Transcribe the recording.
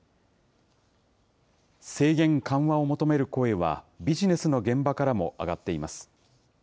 制限緩和を求める声は、ビジネスの現場からも上がっています。